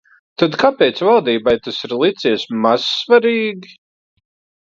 Tad kāpēc valdībai tas ir licies mazsvarīgi?